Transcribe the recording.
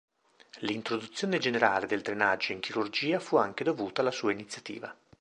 L'introduzione generale del drenaggio in chirurgia fu anche dovuta alla sua iniziativa.